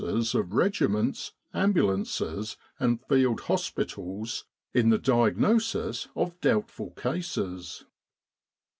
's of regiments, ambulances, and field hospitals in the diagnosis of doubtful cases.